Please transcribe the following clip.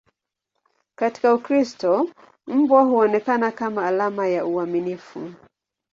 Katika Ukristo, mbwa huonekana kama alama ya uaminifu.